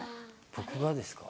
僕がですか？